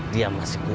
dia masih kuat